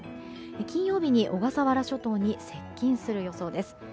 金曜日に小笠原諸島に接近する予想です。